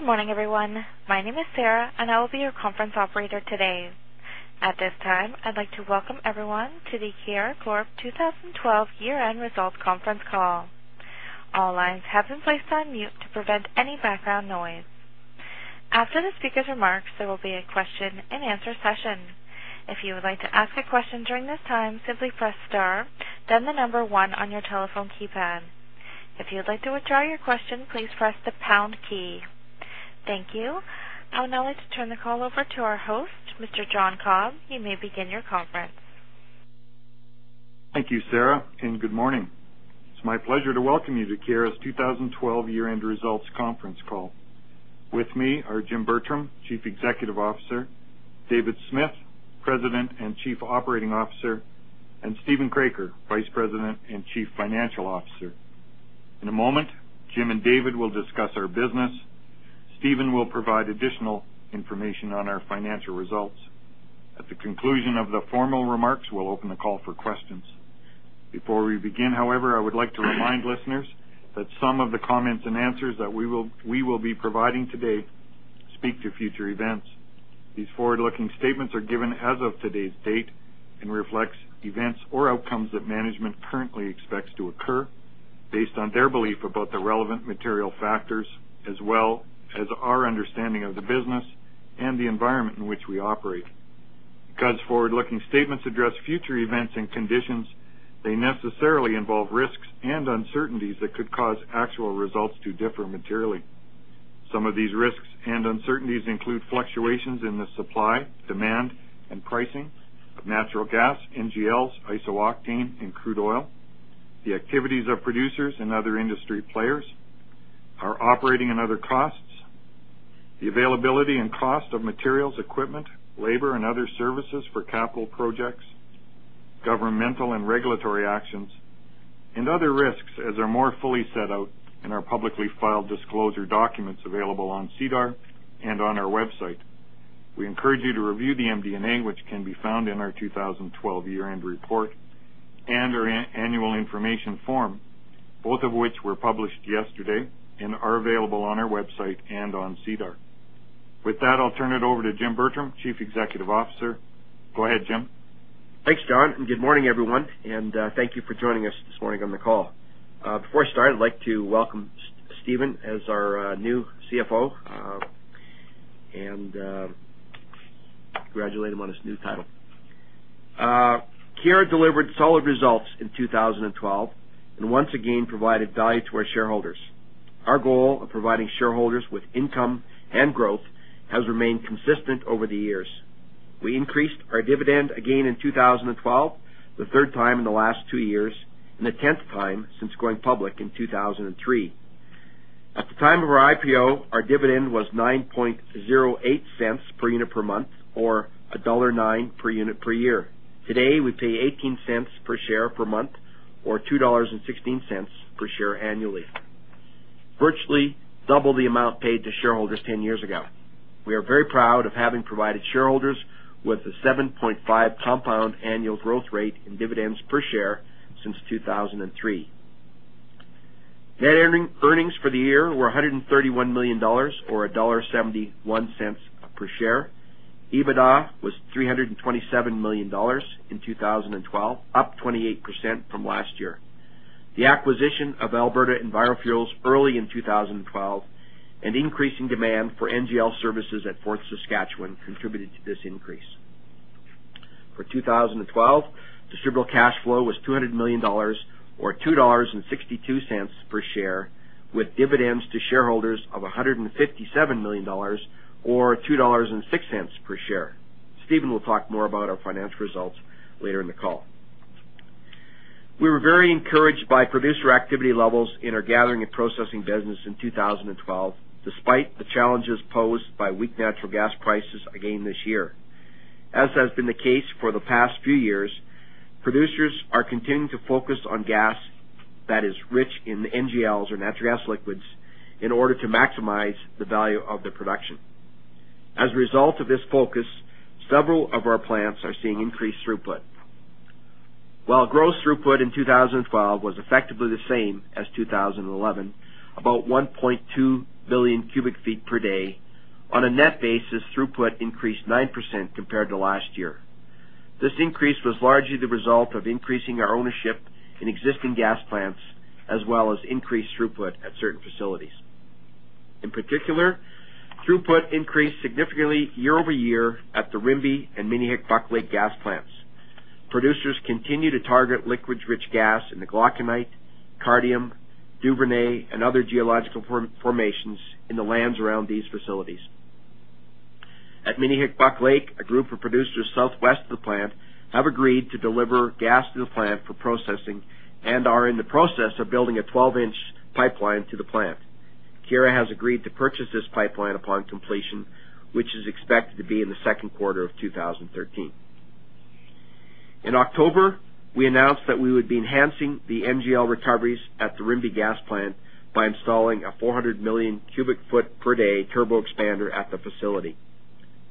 Good morning, everyone. My name is Sarah, and I will be your conference operator today. At this time, I'd like to welcome everyone to the Keyera Corp 2012 year-end results conference call. All lines have been placed on mute to prevent any background noise. After the speaker's remarks, there will be a question and answer session. If you would like to ask a question during this time, simply press star, then the number one on your telephone keypad. If you'd like to withdraw your question, please press the pound key. Thank you. I would now like to turn the call over to our host, Mr. John Cobb. You may begin your conference. Thank you, Sarah, and good morning. It's my pleasure to welcome you to Keyera's 2012 year-end results conference call. With me are Jim Bertram, Chief Executive Officer, David Smith, President and Chief Operating Officer, and Steven Kroeker, Vice President and Chief Financial Officer. In a moment, Jim and David will discuss our business. Steven will provide additional information on our financial results. At the conclusion of the formal remarks, we'll open the call for questions. Before we begin, however, I would like to remind listeners that some of the comments and answers that we will be providing today speak to future events. These forward-looking statements are given as of today's date and reflects events or outcomes that management currently expects to occur based on their belief about the relevant material factors, as well as our understanding of the business and the environment in which we operate. Because forward-looking statements address future events and conditions, they necessarily involve risks and uncertainties that could cause actual results to differ materially. Some of these risks and uncertainties include fluctuations in the supply, demand, and pricing of natural gas, NGLs, iso-octane, and crude oil, the activities of producers and other industry players, our operating and other costs, the availability and cost of materials, equipment, labor, and other services for capital projects, governmental and regulatory actions, and other risks as are more fully set out in our publicly filed disclosure documents available on SEDAR and on our website. We encourage you to review the MD&A, which can be found in our 2012 Year-End Report and our Annual Information Form, both of which were published yesterday and are available on our website and on SEDAR. With that, I'll turn it over to Jim Bertram, Chief Executive Officer. Go ahead, Jim. Thanks, John, and good morning, everyone, and thank you for joining us this morning on the call. Before I start, I'd like to welcome Steven as our new CFO, and congratulate him on his new title. Keyera delivered solid results in 2012 and once again provided value to our shareholders. Our goal of providing shareholders with income and growth has remained consistent over the years. We increased our dividend again in 2012, the third time in the last two years and the tenth time since going public in 2003. At the time of our IPO, our dividend was 0.0908 per unit per month or dollar 1.09 per unit per year. Today, we pay 0.18 per share per month or 2.16 dollars per share annually, virtually double the amount paid to shareholders 10 years ago. We are very proud of having provided shareholders with a 7.5% compound annual growth rate in dividends per share since 2003. Net earnings for the year were 131 million dollars, or dollar 1.71 per share. EBITDA was 327 million dollars in 2012, up 28% from last year. The acquisition of Alberta EnviroFuels early in 2012 and increasing demand for NGL services at Fort Saskatchewan contributed to this increase. For 2012, distributable cash flow was 200 million dollars, or 2.62 dollars per share, with dividends to shareholders of 157 million dollars, or 2.06 dollars per share. Steven will talk more about our financial results later in the call. We were very encouraged by producer activity levels in our gathering and processing business in 2012, despite the challenges posed by weak natural gas prices again this year. As has been the case for the past few years, producers are continuing to focus on gas that is rich in NGLs or natural gas liquids in order to maximize the value of their production. As a result of this focus, several of our plants are seeing increased throughput. While gross throughput in 2012 was effectively the same as 2011, about 1.2 billion cubic feet per day. On a net basis, throughput increased 9% compared to last year. This increase was largely the result of increasing our ownership in existing gas plants, as well as increased throughput at certain facilities. In particular, throughput increased significantly year-over-year at the Rimbey and Minnehik Buck Lake gas plants. Producers continue to target liquids-rich gas in the Glauconite, Cardium, Duvernay, and other geological formations in the lands around these facilities. At Minnehik Buck Lake, a group of producers southwest of the plant have agreed to deliver gas to the plant for processing and are in the process of building a 12-in pipeline to the plant. Keyera has agreed to purchase this pipeline upon completion, which is expected to be in the second quarter of 2013. In October, we announced that we would be enhancing the NGL recoveries at the Rimbey gas plant by installing a 400 million cu ft/day turbo expander at the facility.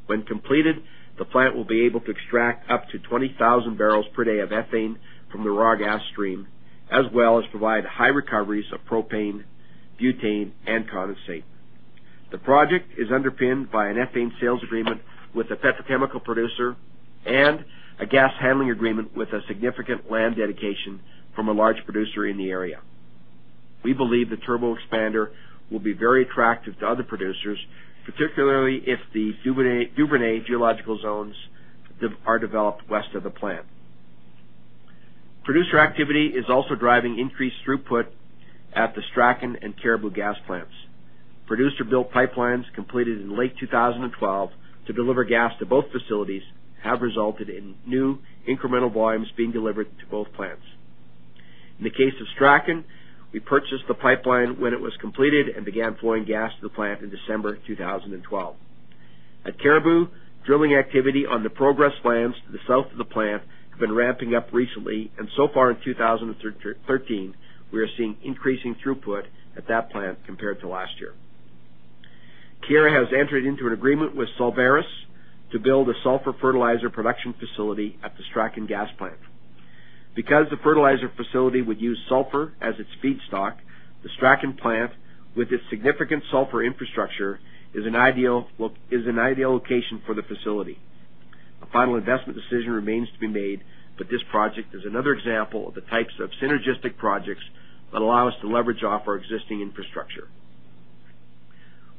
When completed, the plant will be able to extract up to 20,000 bpd of ethane from the raw gas stream, as well as provide high recoveries of propane, butane, and condensate. The project is underpinned by an ethane sales agreement with a petrochemical producer and a gas handling agreement with a significant land dedication from a large producer in the area. We believe the turbo expander will be very attractive to other producers, particularly if the Duvernay geological zones are developed west of the plant. Producer activity is also driving increased throughput at the Strachan and Caribou gas plants. Producer-built pipelines completed in late 2012 to deliver gas to both facilities have resulted in new incremental volumes being delivered to both plants. In the case of Strachan, we purchased the pipeline when it was completed and began flowing gas to the plant in December 2012. At Caribou, drilling activity on the Progress lands to the south of the plant have been ramping up recently, and so far in 2013, we are seeing increasing throughput at that plant compared to last year. Keyera has entered into an agreement with Sulvaris to build a sulfur fertilizer production facility at the Strachan gas plant. Because the fertilizer facility would use sulfur as its feedstock, the Strachan plant, with its significant sulfur infrastructure, is an ideal location for the facility. A final investment decision remains to be made, but this project is another example of the types of synergistic projects that allow us to leverage off our existing infrastructure.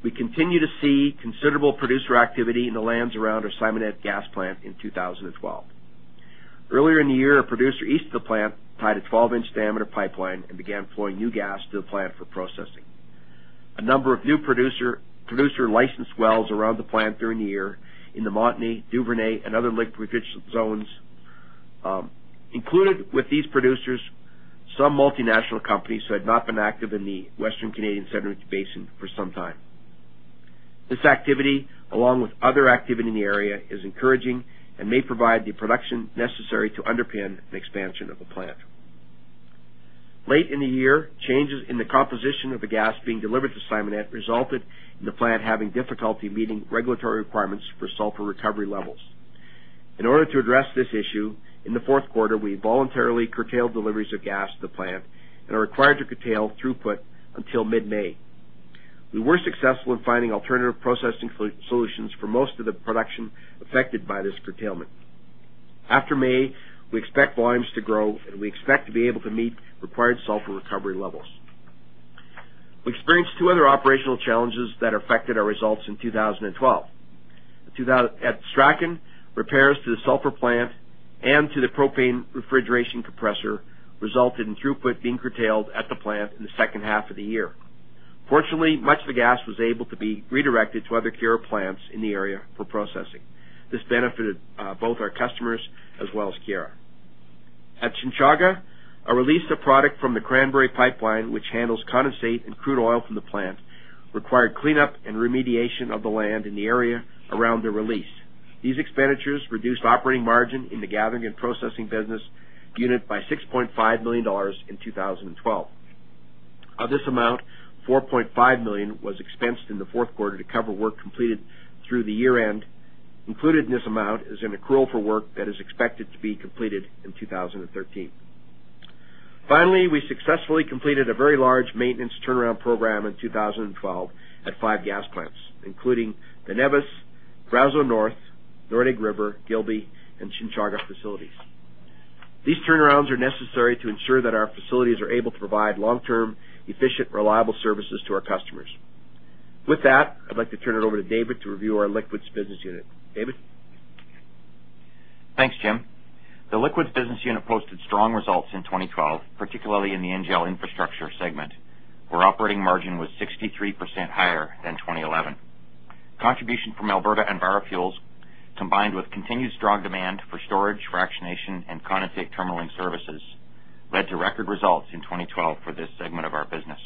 We continue to see considerable producer activity in the lands around our Simonette gas plant in 2012. Earlier in the year, a producer east of the plant tied a 12-in diameter pipeline and began flowing new gas to the plant for processing. There were a number of new producer-licensed wells around the plant during the year in the Montney, Duvernay, and other liquid-rich zones. Included with these producers were some multinational companies who had not been active in the Western Canadian Sedimentary Basin for some time. This activity, along with other activity in the area, is encouraging and may provide the production necessary to underpin an expansion of the plant. Late in the year, changes in the composition of the gas being delivered to Simonette resulted in the plant having difficulty meeting regulatory requirements for sulfur recovery levels. In order to address this issue, in the fourth quarter, we voluntarily curtailed deliveries of gas to the plant and are required to curtail throughput until mid-May. We were successful in finding alternative processing solutions for most of the production affected by this curtailment. After May, we expect volumes to grow, and we expect to be able to meet required sulfur recovery levels. We experienced two other operational challenges that affected our results in 2012. At Strachan, repairs to the sulfur plant and to the propane refrigeration compressor resulted in throughput being curtailed at the plant in the second half of the year. Fortunately, much of the gas was able to be redirected to other Keyera plants in the area for processing. This benefited both our customers as well as Keyera. At Chinchaga, a release of product from the Cranberry pipeline, which handles condensate and crude oil from the plant, required cleanup and remediation of the land in the area around the release. These expenditures reduced operating margin in the gathering and processing business unit by 6.5 million dollars in 2012. Of this amount, 4.5 million was expensed in the fourth quarter to cover work completed through the year-end. Included in this amount is an accrual for work that is expected to be completed in 2013. Finally, we successfully completed a very large maintenance turnaround program in 2012 at five gas plants, including the Nevis, Brazeau North, Nordegg River, Gilby, and Chinchaga facilities. These turnarounds are necessary to ensure that our facilities are able to provide long-term, efficient, reliable services to our customers. With that, I'd like to turn it over to David to review our liquids business unit. David? Thanks, Jim. The Liquids business unit posted strong results in 2012, particularly in the NGL Infrastructure segment, where operating margin was 63% higher than 2011. Contribution from Alberta EnviroFuels, combined with continued strong demand for storage, fractionation, and condensate terminaling services, led to record results in 2012 for this segment of our business.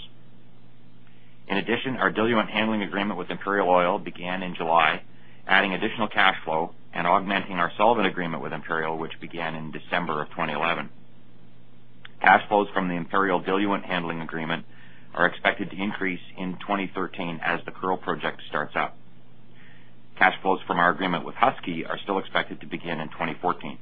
In addition, our diluent handling agreement with Imperial Oil began in July, adding additional cash flow and augmenting our solvent agreement with Imperial, which began in December of 2011. Cash flows from the Imperial diluent handling agreement are expected to increase in 2013 as the Kearl project starts up. Cash flows from our agreement with Husky are still expected to begin in 2014.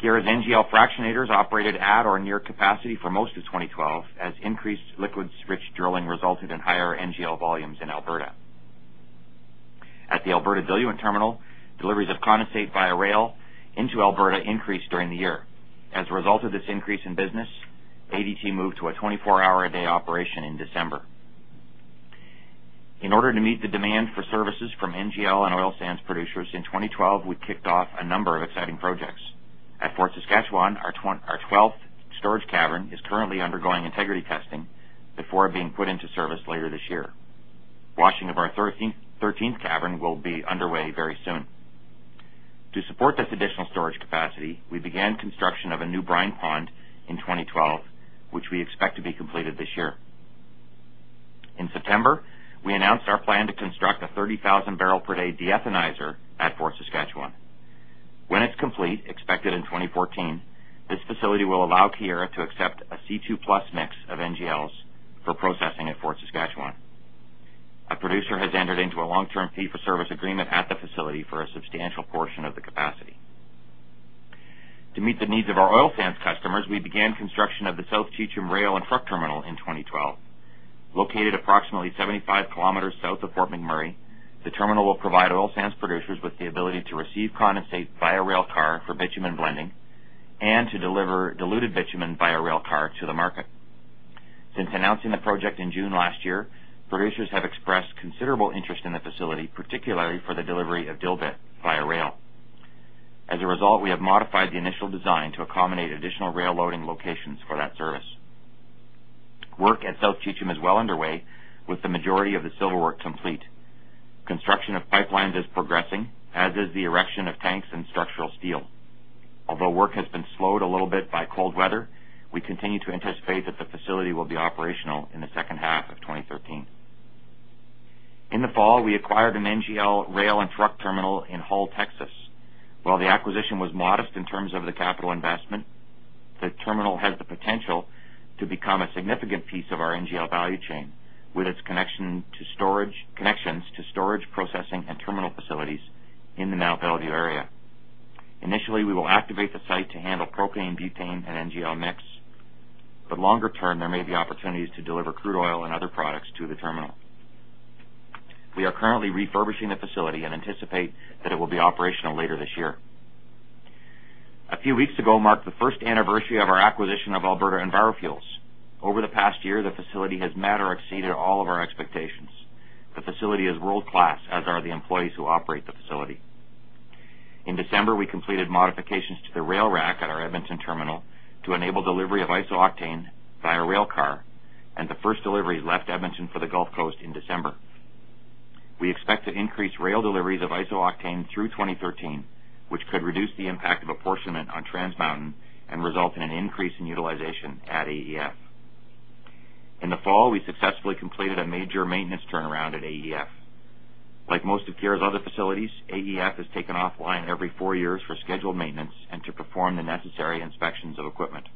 Keyera's NGL fractionators operated at or near capacity for most of 2012, as increased liquids-rich drilling resulted in higher NGL volumes in Alberta. At the Alberta Diluent Terminal, deliveries of condensate via rail into Alberta increased during the year. As a result of this increase in business, ADT moved to a 24-hour-a-day operation in December. In order to meet the demand for services from NGL and oil sands producers in 2012, we kicked off a number of exciting projects. At Fort Saskatchewan, our 12th storage cavern is currently undergoing integrity testing before being put into service later this year. Washing of our 13th cavern will be underway very soon. To support this additional storage capacity, we began construction of a new brine pond in 2012, which we expect to be completed this year. In September, we announced our plan to construct a 30,000 bpd de-ethanizer at Fort Saskatchewan. When it's complete, expected in 2014, this facility will allow Keyera to accept a C2+ mix of NGLs for processing at Fort Saskatchewan. A producer has entered into a long-term fee-for-service agreement at the facility for a substantial portion of the capacity. To meet the needs of our oil sands customers, we began construction of the South Cheecham Rail and Truck Terminal in 2012. Located approximately 75 km south of Fort McMurray, the terminal will provide oil sands producers with the ability to receive condensate via railcar for bitumen blending and to deliver diluted bitumen via railcar to the market. Since announcing the project in June last year, producers have expressed considerable interest in the facility, particularly for the delivery of dilbit via rail. As a result, we have modified the initial design to accommodate additional rail loading locations for that service. Work at South Cheecham is well underway, with the majority of the civil work complete. Construction of pipelines is progressing, as is the erection of tanks and structural steel. Although work has been slowed a little bit by cold weather, we continue to anticipate that the facility will be operational in the second half of 2013. In the fall, we acquired an NGL rail and truck terminal in Hull, Texas. While the acquisition was modest in terms of the capital investment, the terminal has the potential to become a significant piece of our NGL value chain with its connections to storage processing and terminal facilities in the Mont Belvieu area. Initially, we will activate the site to handle propane, butane, and NGL mix. Longer term, there may be opportunities to deliver crude oil and other products to the terminal. We are currently refurbishing the facility and anticipate that it will be operational later this year. A few weeks ago marked the first anniversary of our acquisition of Alberta EnviroFuels. Over the past year, the facility has met or exceeded all of our expectations. The facility is world-class, as are the employees who operate the facility. In December, we completed modifications to the rail rack at our Edmonton terminal to enable delivery of iso-octane via railcar, and the first deliveries left Edmonton for the Gulf Coast in December. We expect to increase rail deliveries of iso-octane through 2013, which could reduce the impact of apportionment on Trans Mountain and result in an increase in utilization at AEF. In the fall, we successfully completed a major maintenance turnaround at AEF. Like most of Keyera's other facilities, AEF is taken offline every four years for scheduled maintenance and to perform the necessary inspections of equipment.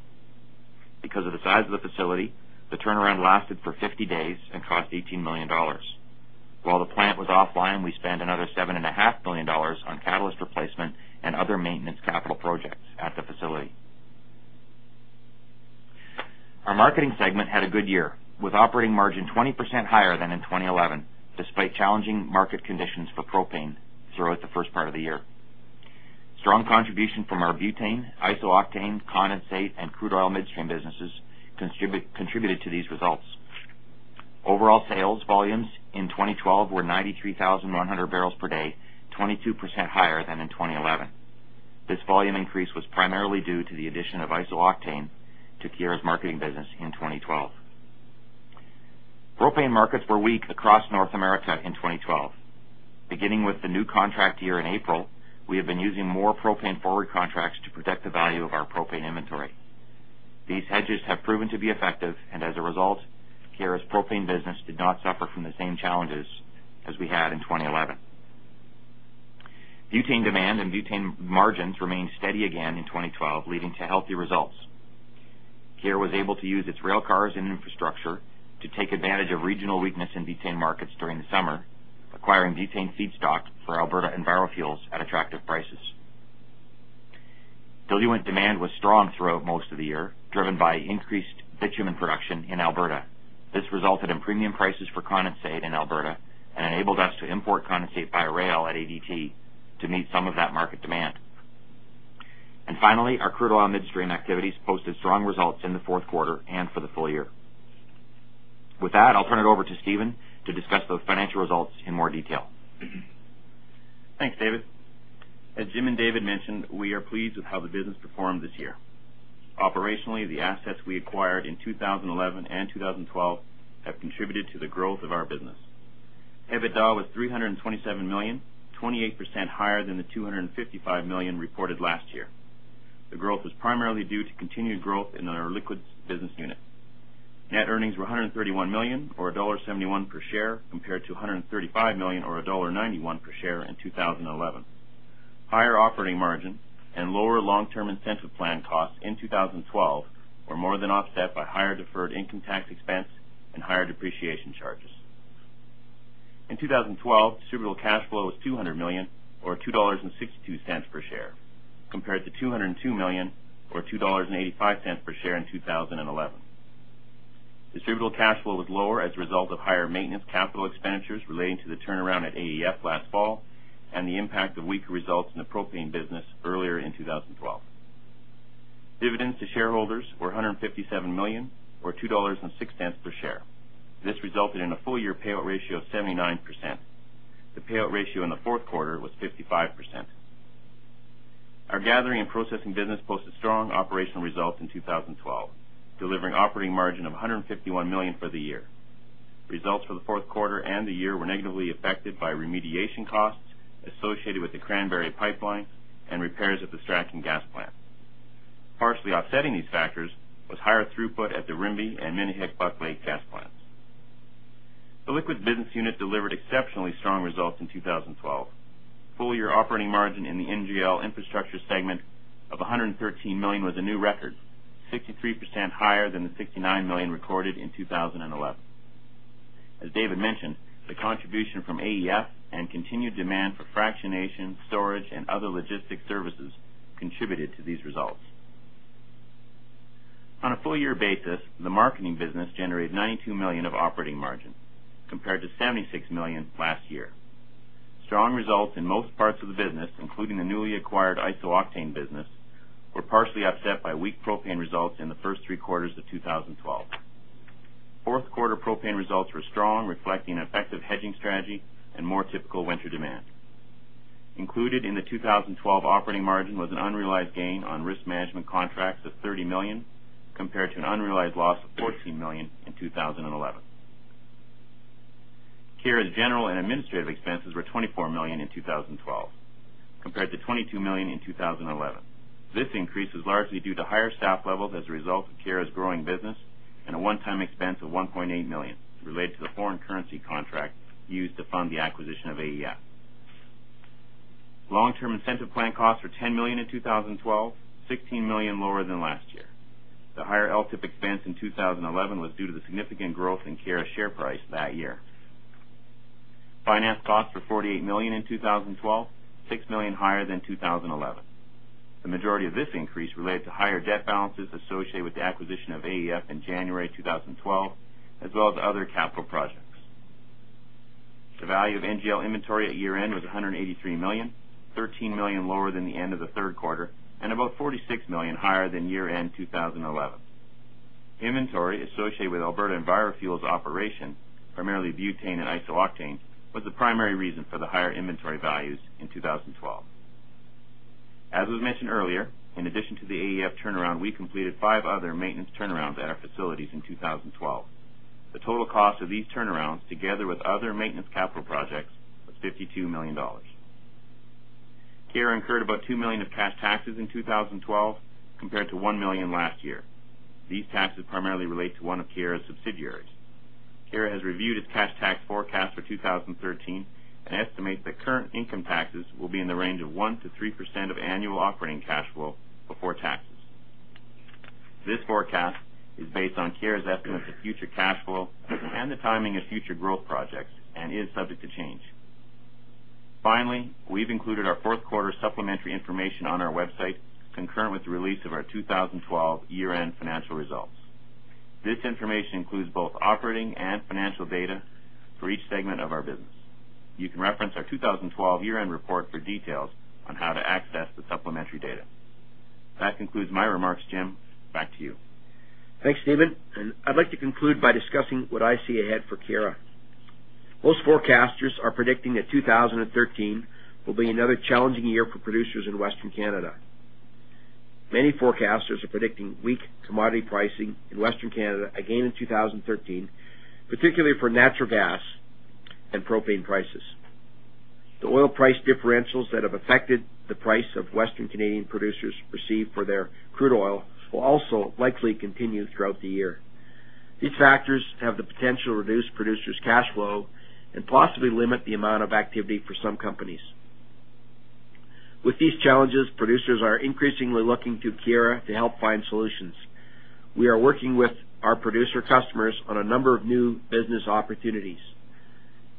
Because of the size of the facility, the turnaround lasted for 50 days and cost 18 million dollars. While the plant was offline, we spent another 7.5 million dollars on catalyst replacement and other maintenance capital projects at the facility. Our marketing segment had a good year, with operating margin 20% higher than in 2011, despite challenging market conditions for propane throughout the first part of the year. Strong contribution from our butane, iso-octane, condensate, and crude oil midstream businesses contributed to these results. Overall sales volumes in 2012 were 93,100 bpd, 22% higher than in 2011. This volume increase was primarily due to the addition of iso-octane to Keyera's marketing business in 2012. Propane markets were weak across North America in 2012. Beginning with the new contract year in April, we have been using more propane forward contracts to protect the value of our propane inventory. These hedges have proven to be effective, and as a result, Keyera's propane business did not suffer from the same challenges as we had in 2011. Butane demand and butane margins remained steady again in 2012, leading to healthy results. Keyera was able to use its railcars and infrastructure to take advantage of regional weakness in butane markets during the summer, acquiring butane feedstock for Alberta EnviroFuels at attractive prices. Diluent demand was strong throughout most of the year, driven by increased bitumen production in Alberta. This resulted in premium prices for condensate in Alberta and enabled us to import condensate via rail at ADT to meet some of that market demand. Our crude oil midstream activities posted strong results in the fourth quarter and for the full year. With that, I'll turn it over to Steven to discuss those financial results in more detail. Thanks, David. As Jim and David mentioned, we are pleased with how the business performed this year. Operationally, the assets we acquired in 2011 and 2012 have contributed to the growth of our business. EBITDA was 327 million, 28% higher than the 255 million reported last year. The growth was primarily due to continued growth in our liquids business unit. Net earnings were 131 million, or dollar 1.71 per share, compared to 135 million or dollar 1.91 per share in 2011. Higher operating margin and lower long-term incentive plan costs in 2012 were more than offset by higher deferred income tax expense and higher depreciation charges. In 2012, distributable cash flow was 200 million, or 2.62 dollars per share, compared to 202 million, or 2.85 dollars per share in 2011. Distributable cash flow was lower as a result of higher maintenance capital expenditures relating to the turnaround at AEF last fall and the impact of weaker results in the propane business earlier in 2012. Dividends to shareholders were 157 million, or 2.06 dollars per share. This resulted in a full-year payout ratio of 79%. The payout ratio in the fourth quarter was 55%. Our gathering and processing business posted strong operational results in 2012, delivering operating margin of 151 million for the year. Results for the fourth quarter and the year were negatively affected by remediation costs associated with the Cranberry Pipeline and repairs at the Strachan Gas Plant. Partially offsetting these factors was higher throughput at the Rimbey and Minnehik Buck Lake Gas Plants. The liquids business unit delivered exceptionally strong results in 2012. Full-year operating margin in the NGL Infrastructure segment of 113 million was a new record, 63% higher than the 69 million recorded in 2011. As David mentioned, the contribution from AEF and continued demand for fractionation, storage, and other logistics services contributed to these results. On a full-year basis, the marketing business generated 92 million of operating margin, compared to 76 million last year. Strong results in most parts of the business, including the newly acquired iso-octane business, were partially offset by weak propane results in the first three quarters of 2012. Fourth quarter propane results were strong, reflecting an effective hedging strategy and more typical winter demand. Included in the 2012 operating margin was an unrealized gain on risk management contracts of 30 million, compared to an unrealized loss of 14 million in 2011. Keyera's general and administrative expenses were 24 million in 2012, compared to 22 million in 2011. This increase is largely due to higher staff levels as a result of Keyera's growing business and a one-time expense of 1.8 million related to the foreign currency contract used to fund the acquisition of AEF. Long-term incentive plan costs were 10 million in 2012, 16 million lower than last year. The higher LTIP expense in 2011 was due to the significant growth in Keyera's share price that year. Finance costs were 48 million in 2012, 6 million higher than 2011. The majority of this increase related to higher debt balances associated with the acquisition of AEF in January 2012, as well as other capital projects. The value of NGL inventory at year-end was 183 million, 13 million lower than the end of the third quarter, and about 46 million higher than year-end 2011. Inventory associated with Alberta EnviroFuels operation, primarily butane and iso-octane, was the primary reason for the higher inventory values in 2012. As was mentioned earlier, in addition to the AEF turnaround, we completed five other maintenance turnarounds at our facilities in 2012. The total cost of these turnarounds, together with other maintenance capital projects, was 52 million dollars. Keyera incurred about 2 million of cash taxes in 2012, compared to 1 million last year. These taxes primarily relate to one of Keyera's subsidiaries. Keyera has reviewed its cash tax forecast for 2013 and estimates that current income taxes will be in the range of 1%-3% of annual operating cash flow before taxes. This forecast is based on Keyera's estimates of future cash flow and the timing of future growth projects and is subject to change. Finally, we've included our fourth quarter supplementary information on our website, concurrent with the release of our 2012 year-end financial results. This information includes both operating and financial data for each segment of our business. You can reference our 2012 year-end report for details on how to access the supplementary data. That concludes my remarks, Jim. Back to you. Thanks, Steven, and I'd like to conclude by discussing what I see ahead for Keyera. Most forecasters are predicting that 2013 will be another challenging year for producers in Western Canada. Many forecasters are predicting weak commodity pricing in Western Canada again in 2013, particularly for natural gas and propane prices. The oil price differentials that have affected the price of Western Canadian producers received for their crude oil will also likely continue throughout the year. These factors have the potential to reduce producers' cash flow and possibly limit the amount of activity for some companies. With these challenges, producers are increasingly looking to Keyera to help find solutions. We are working with our producer customers on a number of new business opportunities.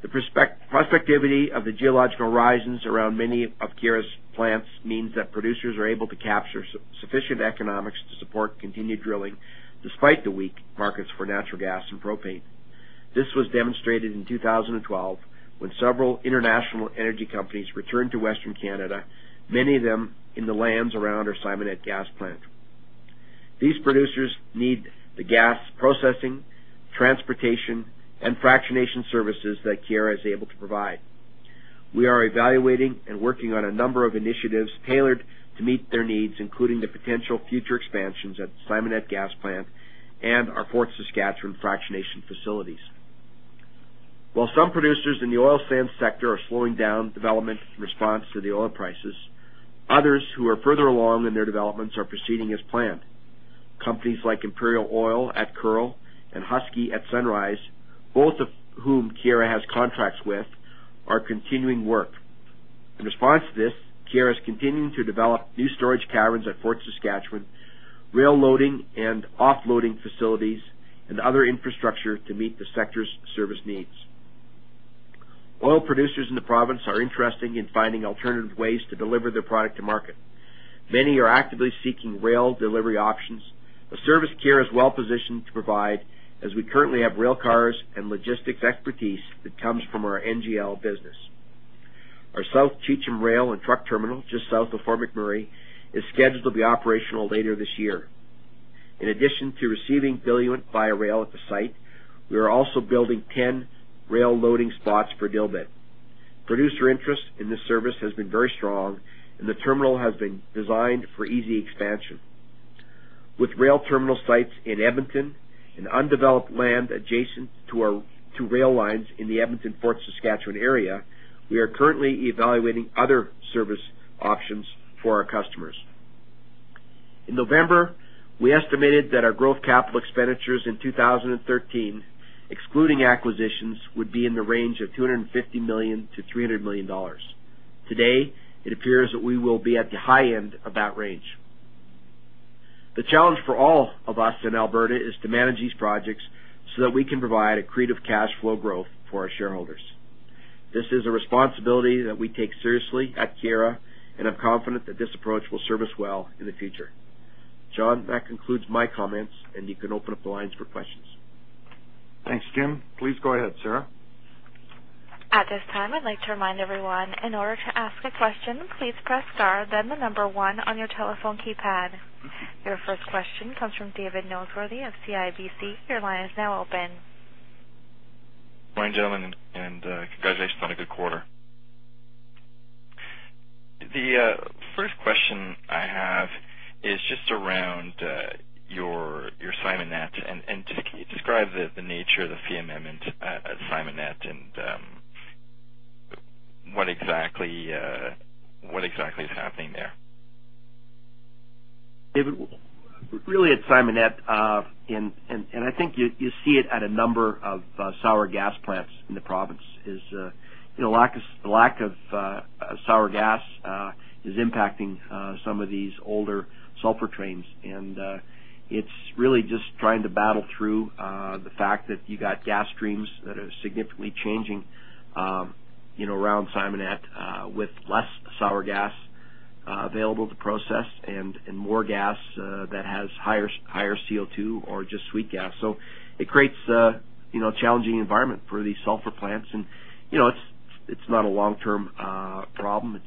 The prospectivity of the geological horizons around many of Keyera's plants means that producers are able to capture sufficient economics to support continued drilling, despite the weak markets for natural gas and propane. This was demonstrated in 2012 when several international energy companies returned to Western Canada, many of them in the lands around our Simonette gas plant. These producers need the gas processing, transportation, and fractionation services that Keyera is able to provide. We are evaluating and working on a number of initiatives tailored to meet their needs, including the potential future expansions at the Simonette gas plant and our Fort Saskatchewan fractionation facilities. While some producers in the oil sands sector are slowing down development in response to the oil prices, others who are further along in their developments are proceeding as planned. Companies like Imperial Oil at Kearl and Husky at Sunrise, both of whom Keyera has contracts with, are continuing work. In response to this, Keyera is continuing to develop new storage caverns at Fort Saskatchewan, rail loading and offloading facilities, and other infrastructure to meet the sector's service needs. Oil producers in the province are interested in finding alternative ways to deliver their product to market. Many are actively seeking rail delivery options, a service Keyera is well-positioned to provide, as we currently have rail cars and logistics expertise that comes from our NGL business. Our South Cheecham rail and truck terminal, just south of Fort McMurray, is scheduled to be operational later this year. In addition to receiving diluent via rail at the site, we are also building 10 rail loading spots for dilbit. Producer interest in this service has been very strong, and the terminal has been designed for easy expansion. With rail terminal sites in Edmonton and undeveloped land adjacent to rail lines in the Edmonton Fort Saskatchewan area, we are currently evaluating other service options for our customers. In November, we estimated that our growth capital expenditures in 2013, excluding acquisitions, would be in the range of 250 million-300 million dollars. Today, it appears that we will be at the high end of that range. The challenge for all of us in Alberta is to manage these projects so that we can provide accretive cash flow growth for our shareholders. This is a responsibility that we take seriously at Keyera, and I'm confident that this approach will serve us well in the future. John, that concludes my comments, and you can open up the lines for questions. Thanks, Jim. Please go ahead, Sarah. At this time, I'd like to remind everyone, in order to ask a question, please press star then the number one on your telephone keypad. Your first question comes from David Noseworthy of CIBC. Your line is now open. Morning, gentlemen, and congratulations on a good quarter. The first question I have is just around your Simonette and just can you describe the nature of the fee amendment at Simonette and what exactly is happening there? David, really at Simonette, and I think you see it at a number of sour gas plants in the province, is the lack of sour gas impacting some of these older sulfur trains. It's really just trying to battle through the fact that you got gas streams that are significantly changing around Simonette with less sour gas available to process and more gas that has higher CO2 or just sweet gas. It creates a challenging environment for these sulfur plants, and it's not a long-term problem.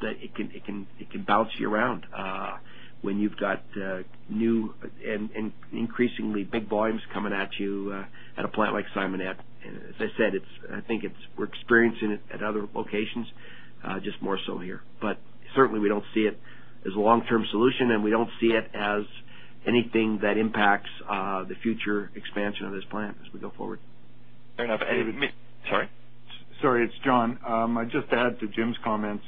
It can bounce you around when you've got new and increasingly big volumes coming at you at a plant like Simonette. As I said, I think we're experiencing it at other locations, just more so here. Certainly, we don't see it as a long-term solution, and we don't see it as anything that impacts the future expansion of this plant as we go forward. Fair enough. Sorry, it's John. Just to add to Jim's comments,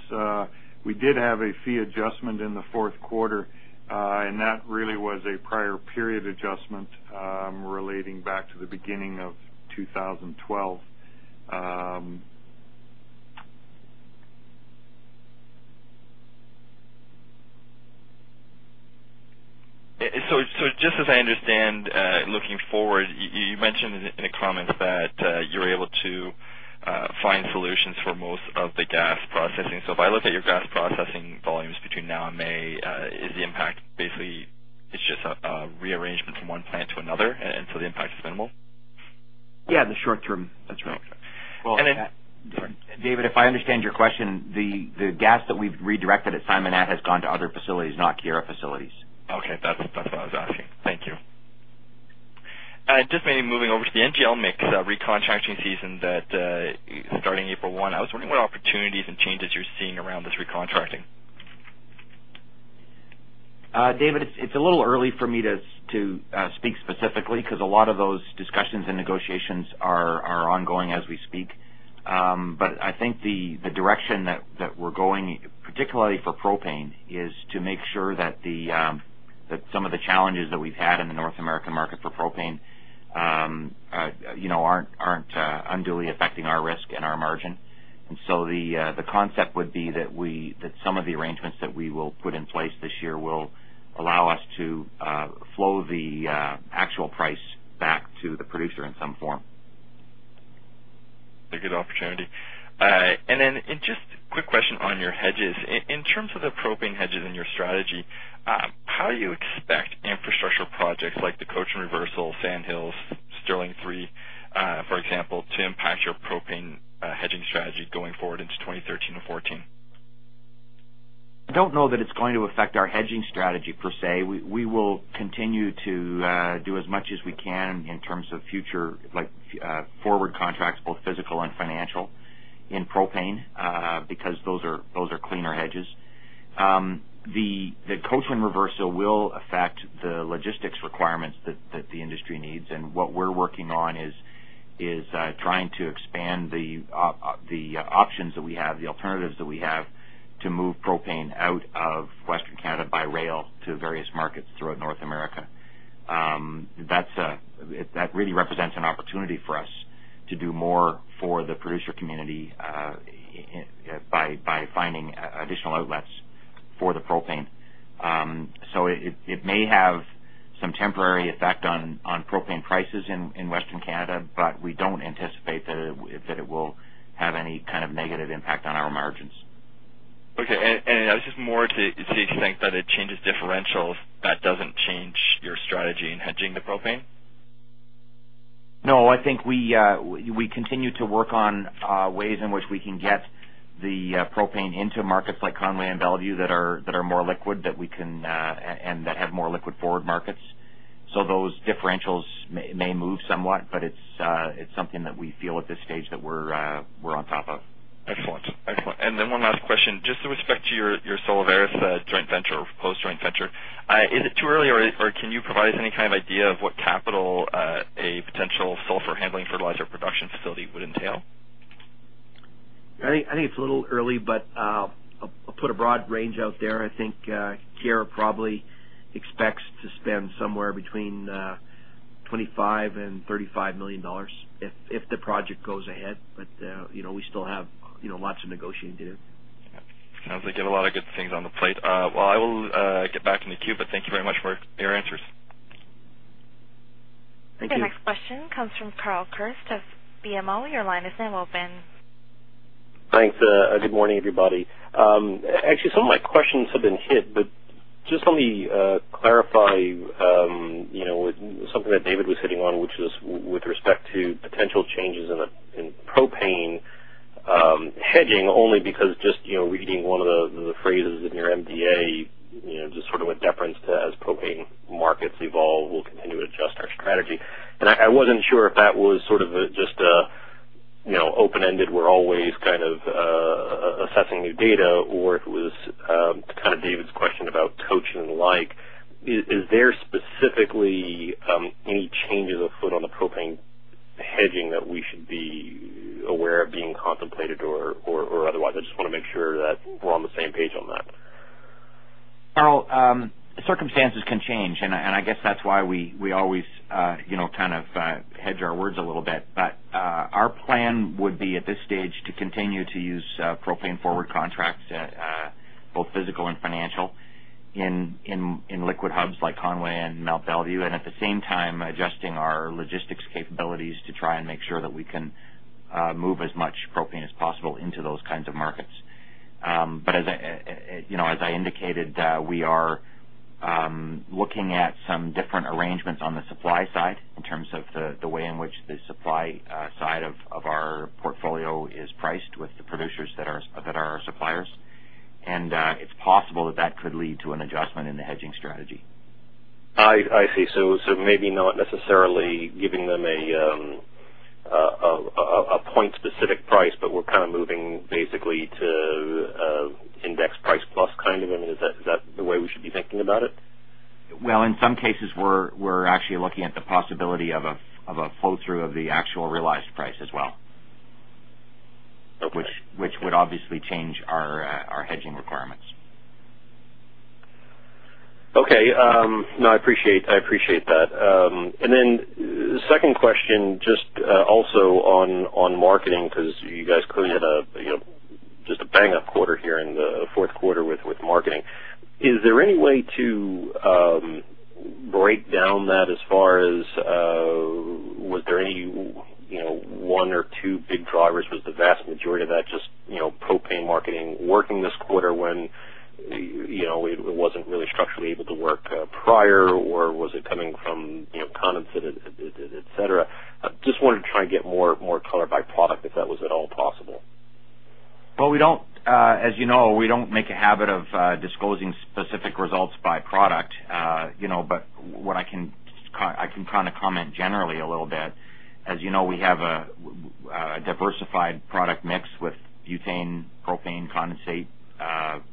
we did have a fee adjustment in the fourth quarter, and that really was a prior period adjustment relating back to the beginning of 2012. Just as I understand, looking forward, you mentioned in the comments that you're able to find solutions for most of the gas processing. If I look at your gas processing volumes between now and May, is the impact basically just a rearrangement from one plant to another, and so the impact is minimal? Yeah, in the short term, that's right. Well- Sorry. David, if I understand your question, the gas that we've redirected at Simonette has gone to other facilities, not Keyera facilities. Okay. That's what I was asking. Thank you. Just maybe moving over to the NGL mix recontracting season starting April 1. I was wondering what opportunities and changes you're seeing around this recontracting? David, it's a little early for me to speak specifically because a lot of those discussions and negotiations are ongoing as we speak. I think the direction that we're going, particularly for propane, is to make sure that some of the challenges that we've had in the North American market for propane aren't unduly affecting our risk and our margin. The concept would be that some of the arrangements that we will put in place this year will allow us to flow the actual price back to the producer in some form. A good opportunity. Then, just a quick question on your hedges. In terms of the propane hedges in your strategy, how do you expect infrastructure projects like the Cochin Reversal, Sand Hills, Sterling III, for example, to impact your propane hedging strategy going forward into 2013 and 2014? I don't know that it's going to affect our hedging strategy, per se. We will continue to do as much as we can in terms of future forward contracts, both physical and financial, in propane, because those are cleaner hedges. The Cochin Reversal will affect the logistics requirements that the industry needs, and what we're working on is trying to expand the options that we have, the alternatives that we have to move propane out of Western Canada by rail to various markets throughout North America. That really represents an opportunity for us to do more for the producer community by finding additional outlets for the propane. It may have some temporary effect on propane prices in Western Canada, but we don't anticipate that it will have any kind of negative impact on our margins. Okay. It was just more to see if you think that it changes differentials that doesn't change your strategy in hedging the propane? No, I think we continue to work on ways in which we can get the propane into markets like Conway and Mont Belvieu that are more liquid, and that have more liquid forward markets. Those differentials may move somewhat, but it's something that we feel at this stage that we're on top of. Excellent. One last question, just with respect to your Sulvaris joint venture or post-joint venture. Is it too early, or can you provide us any kind of idea of what capital a potential sulfur handling fertilizer production facility would entail? I think it's a little early, but I'll put a broad range out there. I think Keyera probably expects to spend somewhere between 25 million and 35 million dollars if the project goes ahead. We still have lots of negotiating to do. Sounds like you have a lot of good things on the plate. Well, I will get back in the queue, but thank you very much for your answers. Thank you. The next question comes from Carl Kirst of BMO. Your line is now open. Thanks. Good morning, everybody. Actually, some of my questions have been hit, but just let me clarify something that David was hitting on, which is with respect to potential changes in propane hedging, only because just reading one of the phrases in your MD&A, just sort of a reference to as propane markets evolve, we'll continue to adjust our strategy. I wasn't sure if that was sort of just an open-ended, we're always kind of assessing new data or if it was to kind of David's question about Cochin and the like. Is there specifically any changes afoot on the propane hedging that we should be aware of being contemplated or otherwise? I just want to make sure that we're on the same page on that. Carl, circumstances can change, and I guess that's why we always kind of hedge our words a little bit. Our plan would be, at this stage, to continue to use propane forward contracts, both physical and financial, in liquid hubs like Conway and Mont Belvieu, at the same time adjusting our logistics capabilities to try and make sure that we can move as much propane as possible into those kinds of markets. As I indicated, we are looking at some different arrangements on the supply side in terms of the way in which the supply side of our portfolio is priced with the producers that are our suppliers. It's possible that that could lead to an adjustment in the hedging strategy. I see. Maybe not necessarily giving them a point specific price, but we're kind of moving basically to index price plus kind of. I mean, is that the way we should be thinking about it? Well, in some cases, we're actually looking at the possibility of a flow through of the actual realized price as well. Okay. Which would obviously change our hedging requirements. Okay. No, I appreciate that. The second question, just also on marketing, because you guys clearly had just a bang-up quarter here in the fourth quarter with marketing. Is there any way to break down that as far as was there any one or two big drivers? Was the vast majority of that just propane marketing working this quarter when it wasn't really structurally able to work prior, or was it coming from condensates, et cetera? I just wanted to try and get more color by product, if that was at all possible. Well, as you know, we don't make a habit of disclosing specific results by product. What I can comment generally a little bit, as you know, we have a diversified product mix with butane, propane, condensate,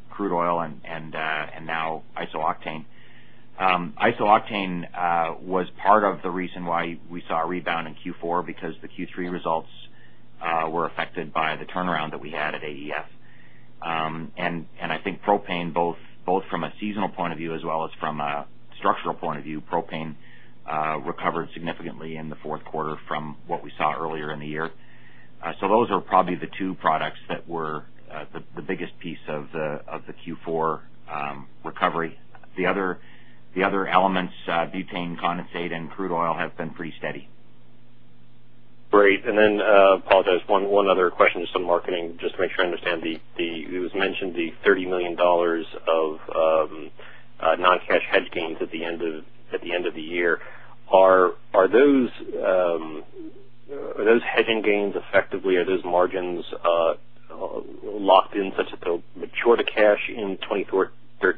crude oil, and now iso-octane. Iso-octane was part of the reason why we saw a rebound in Q4 because the Q3 results were affected by the turnaround that we had at AEF. I think propane, both from a seasonal point of view as well as from a structural point of view, propane recovered significantly in the fourth quarter from what we saw earlier in the year. Those are probably the two products that were the biggest piece of the Q4 recovery. The other elements, butane, condensate, and crude oil, have been pretty steady. Great. One other question, just on marketing, just to make sure I understand. It was mentioned the 30 million dollars of non-cash hedge gains at the end of the year. Are those hedging gains effectively, are those margins locked in such that they'll mature to cash in 2013? Or are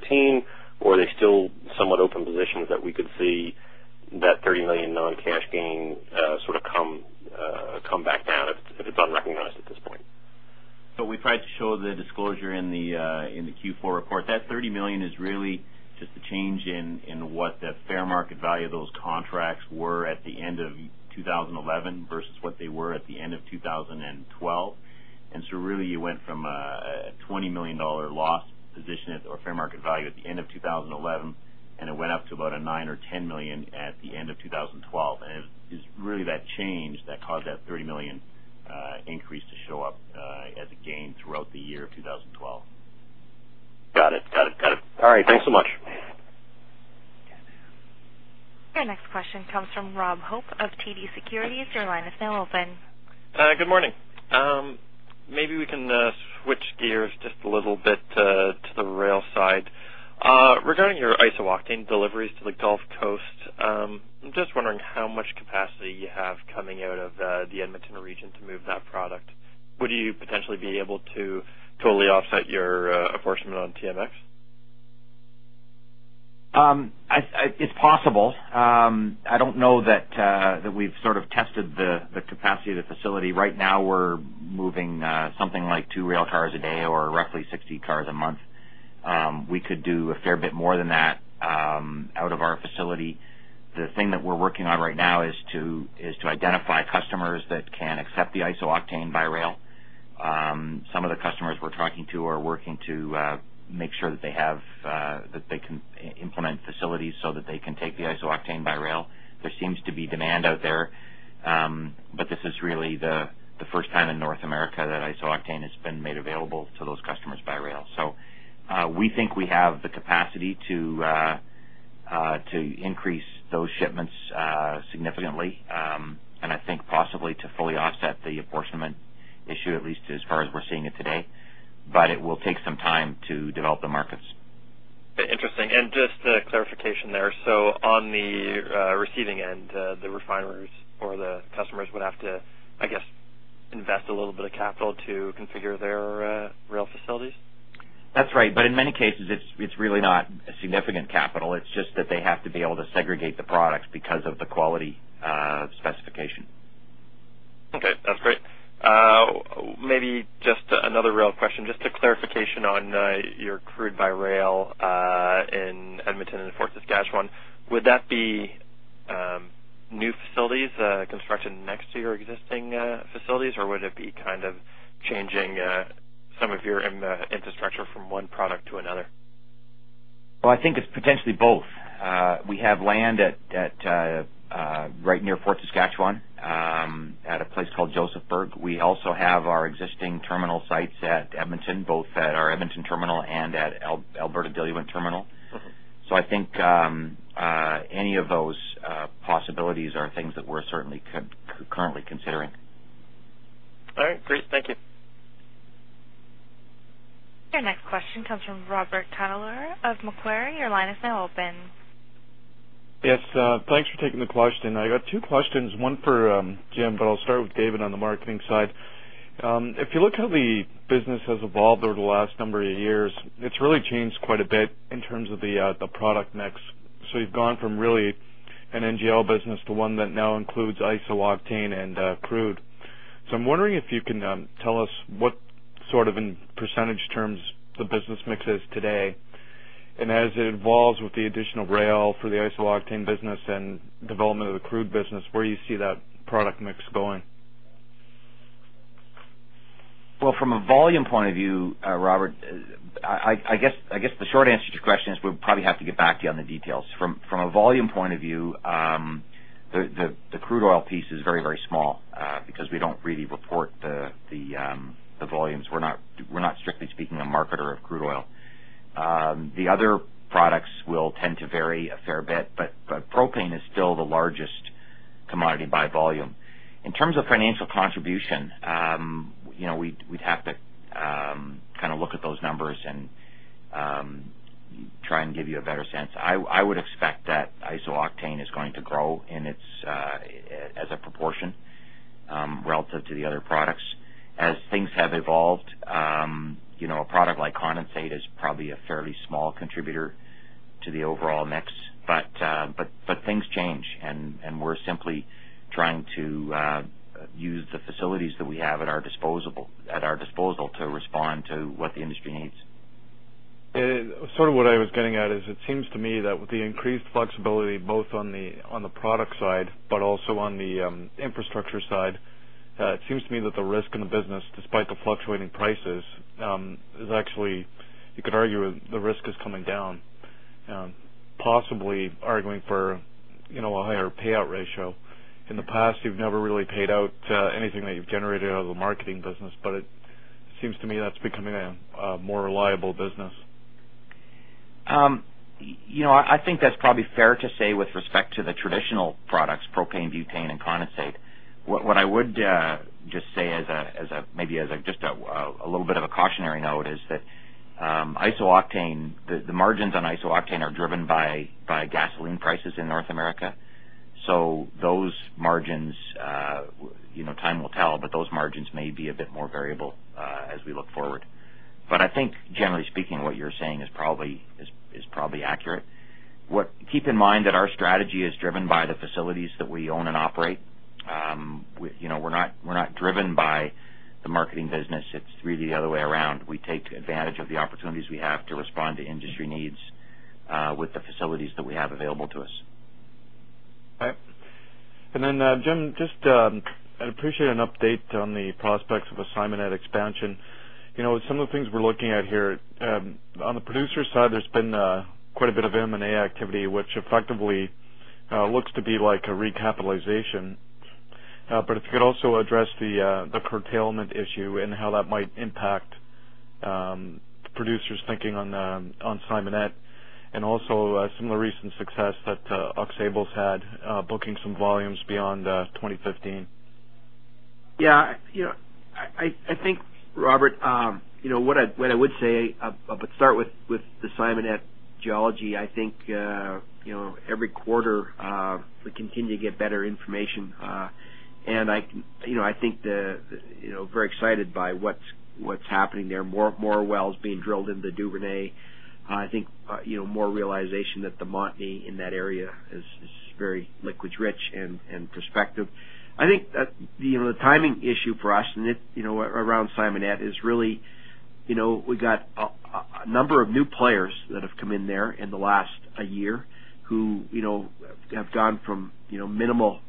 That's right. In many cases, it's really not significant capital. It's just that they have to be able to segregate the products because of the quality specification. Okay, that's great. Maybe just another rail question, just a clarification on your crude by rail in Edmonton and Fort Saskatchewan. Would that be new facilities construction next to your existing facilities, or would it be changing some of your infrastructure from one product to another? Well, I think it's potentially both. We have land right near Fort Saskatchewan, at a place called Josephburg. We also have our existing terminal sites at Edmonton, both at our Edmonton terminal and at Alberta Diluent Terminal. I think any of those possibilities are things that we're certainly currently considering. All right, great. Thank you. Your next question comes from Robert Catellier of Macquarie. Your line is now open. Yes. Thanks for taking the question. I got two questions, one for Jim, but I'll start with David on the marketing side. If you look how the business has evolved over the last number of years, it's really changed quite a bit in terms of the product mix. You've gone from really an NGL business to one that now includes iso-octane and crude. I'm wondering if you can tell us what, in percentage terms, the business mix is today. As it evolves with the additional rail for the iso-octane business and development of the crude business, where you see that product mix going? Well, from a volume point of view, Robert, I guess the short answer to your question is we'll probably have to get back to you on the details. From a volume point of view, the crude oil piece is very small, because we don't really report the volumes. We're not strictly speaking a marketer of crude oil. The other products will tend to vary a fair bit, but propane is still the largest commodity by volume. In terms of financial contribution, we'd have to look at those numbers and try and give you a better sense. I would expect that iso-octane is going to grow as a proportion relative to the other products. As things have evolved, a product like condensate is probably a fairly small contributor to the overall mix. Things change, and we're simply trying to use the facilities that we have at our disposal to respond to what the industry needs. Sort of what I was getting at is, it seems to me that with the increased flexibility, both on the product side, but also on the infrastructure side, it seems to me that the risk in the business, despite the fluctuating prices, is actually, you could argue the risk is coming down. Possibly arguing for a higher payout ratio. In the past, you've never really paid out anything that you've generated out of the marketing business, but it seems to me that's becoming a more reliable business. I think that's probably fair to say with respect to the traditional products, propane, butane, and condensate. What I would just say maybe as just a little bit of a cautionary note is that the margins on iso-octane are driven by gasoline prices in North America. Those margins, time will tell, but those margins may be a bit more variable as we look forward. I think generally speaking, what you're saying is probably accurate. Keep in mind that our strategy is driven by the facilities that we own and operate. We're not driven by the marketing business. It's really the other way around. We take advantage of the opportunities we have to respond to industry needs with the facilities that we have available to us. Okay. Jim, I'd appreciate an update on the prospects of the Simonette expansion. Some of the things we're looking at here, on the producer side, there's been quite a bit of M&A activity, which effectively looks to be like a recapitalization. If you could also address the curtailment issue and how that might impact producers thinking on Simonette. Some of the recent success that Aux Sable's had booking some volumes beyond 2015. Yeah. I think, Robert, what I would say, I would start with the Simonette geology. I think every quarter, we continue to get better information. I think they're very excited by what's happening there. More wells being drilled into Duvernay. I think more realization that the Montney in that area is. It's very liquids rich and prospective. I think that the timing issue for us and around Simonette is really, we got a number of new players that have come in there in the last year who have gone from minimal,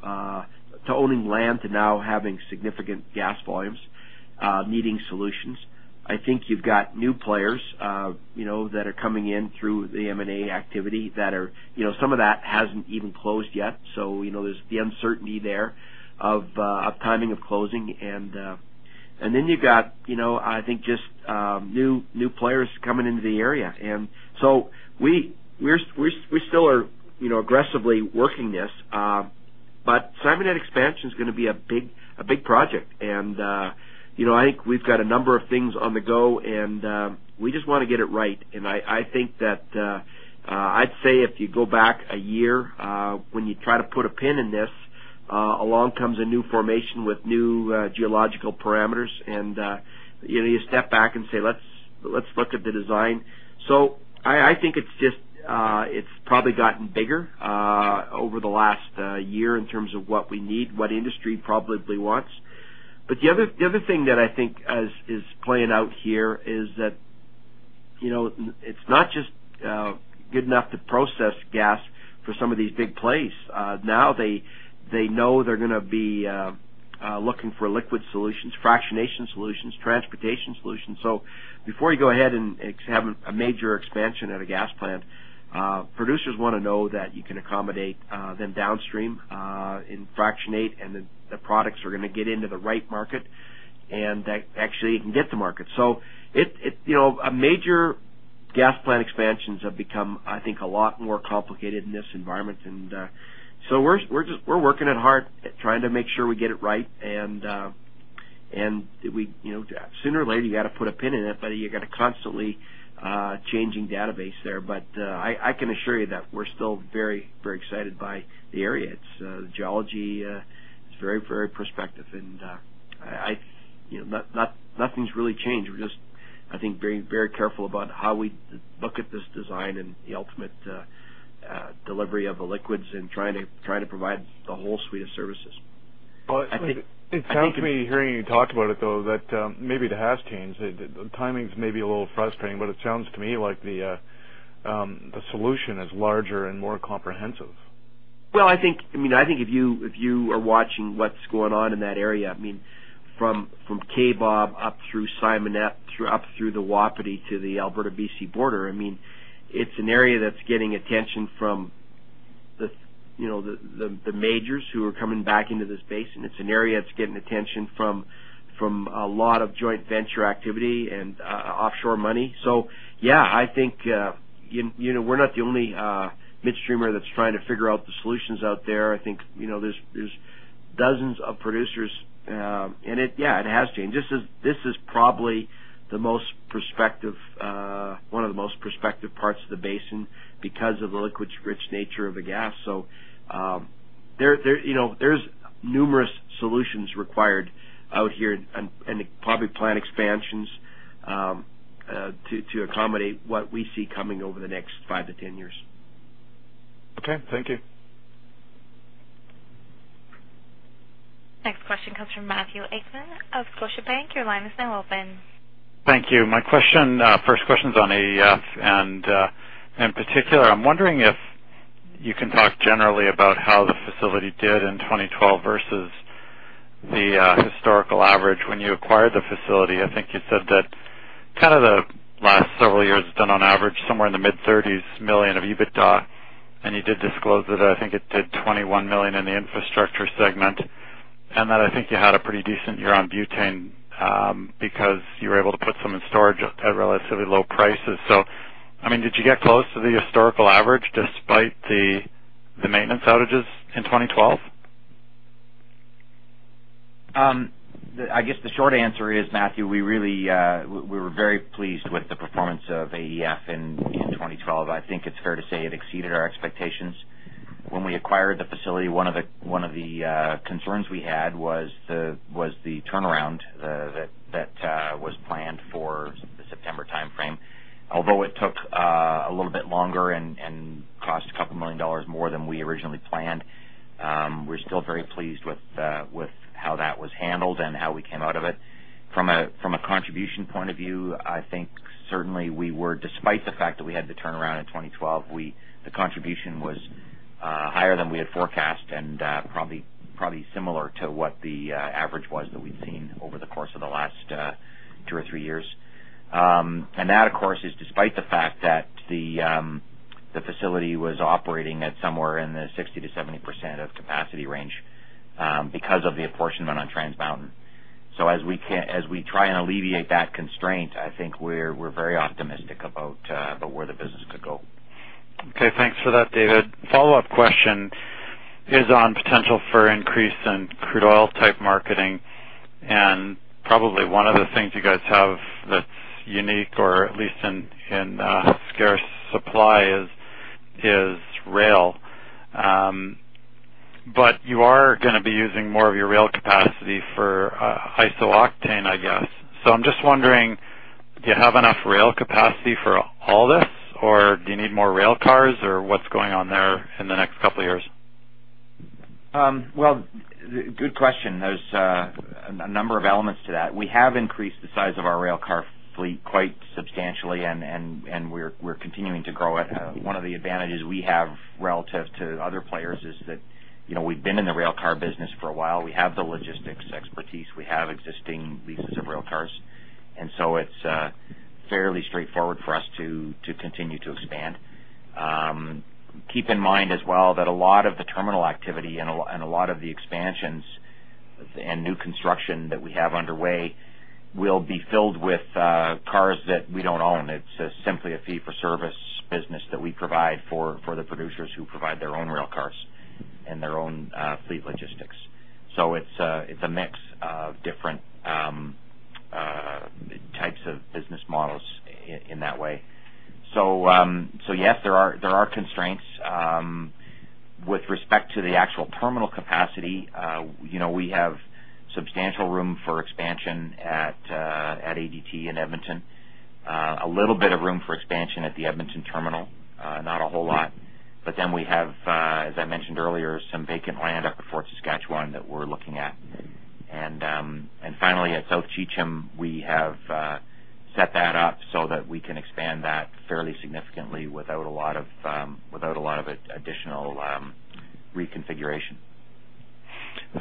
to owning land to now having significant gas volumes, needing solutions. I think you've got new players that are coming in through the M&A activity that are. Some of that hasn't even closed yet, so there's the uncertainty there of timing of closing. You've got I think just new players coming into the area. We still are aggressively working this. Simonette expansion is going to be a big project. I think we've got a number of things on the go, and we just want to get it right. I think that, I'd say if you go back a year, when you try to put a pin in this, along comes a new formation with new geological parameters, and you step back and say, "Let's look at the design." I think it's probably gotten bigger over the last year in terms of what we need, what industry probably wants. The other thing that I think is playing out here is that it's not just good enough to process gas for some of these big plays. Now they know they're going to be looking for liquid solutions, fractionation solutions, transportation solutions. Before you go ahead and have a major expansion at a gas plant, producers want to know that you can accommodate them downstream, and fractionate, and the products are going to get into the right market. That actually it can get to market. A major gas plant expansions have become, I think, a lot more complicated in this environment. We're working it hard at trying to make sure we get it right. Sooner or later, you got to put a pin in it, but you got a constantly changing database there. I can assure you that we're still very excited by the area. The geology is very prospective, and nothing's really changed. We're just, I think, very careful about how we look at this design and the ultimate delivery of the liquids and trying to provide the whole suite of services. Well, it sounds to me, hearing you talk about it, though, that maybe it has changed. The timing's maybe a little frustrating, but it sounds to me like the solution is larger and more comprehensive. Well, I think if you are watching what's going on in that area, from Kaybob up through Simonette, up through the Wapiti to the Alberta-B.C. border, it's an area that's getting attention from the majors who are coming back into this basin. It's an area that's getting attention from a lot of joint venture activity and offshore money. Yeah, I think we're not the only midstream that's trying to figure out the solutions out there. I think there's dozens of producers. It, yeah, it has changed. This is probably one of the most prospective parts of the basin because of the liquids-rich nature of the gas. There's numerous solutions required out here, and probably plant expansions to accommodate what we see coming over the next 5-10 years. Okay. Thank you. Next question comes from Matthew Akman of Scotiabank. Your line is now open. Thank you. My first question's on AEF, and in particular, I'm wondering if you can talk generally about how the facility did in 2012 versus the historical average. When you acquired the facility, I think you said that the last several years has done on average, somewhere in the mid-CAD 30s million of EBITDA, and you did disclose that I think it did 21 million in the infrastructure segment, and that I think you had a pretty decent year on butane, because you were able to put some in storage at relatively low prices. Did you get close to the historical average despite the maintenance outages in 2012? I guess the short answer is, Matthew, we were very pleased with the performance of AEF in 2012. I think it's fair to say it exceeded our expectations. When we acquired the facility, one of the concerns we had was the turnaround that was planned for the September timeframe. Although it took a little bit longer and cost 2 million dollars more than we originally planned, we're still very pleased with how that was handled and how we came out of it. From a contribution point of view, I think certainly we were, despite the fact that we had the turnaround in 2012, the contribution was higher than we had forecast and probably similar to what the average was that we've seen over the course of the last two or three years. That, of course, is despite the fact that the facility was operating at somewhere in the 60%-70% of capacity range, because of the apportionment on Trans Mountain. As we try and alleviate that constraint, I think we're very optimistic about where the business could go. Okay. Thanks for that, David. Follow-up question is on potential for increase in crude oil type marketing. Probably one of the things you guys have that's unique or at least in scarce supply is rail. You are going to be using more of your rail capacity for iso-octane, I guess. I'm just wondering, do you have enough rail capacity for all this, or do you need more rail cars? Or what's going on there in the next couple of years? Well, good question. There's a number of elements to that. We have increased the size of our rail car fleet quite substantially, and we're continuing to grow it. One of the advantages we have relative to other players is that we've been in the rail car business for a while. We have the logistics expertise. We have existing leases of rail cars. It's fairly straightforward for us to continue to expand. Keep in mind as well that a lot of the terminal activity and a lot of the expansions and new construction that we have underway will be filled with cars that we don't own. It's simply a fee-for-service business that we provide for the producers who provide their own rail cars and their own fleet logistics. It's a mix of different types of business models in that way. Yes, there are constraints. With respect to the actual terminal capacity, we have substantial room for expansion at ADT in Edmonton, a little bit of room for expansion at the Edmonton terminal, not a whole lot. We have, as I mentioned earlier, some vacant land up at Fort Saskatchewan that we're looking at. Finally, at South Cheecham, we have set that up so that we can expand that fairly significantly without a lot of additional reconfiguration.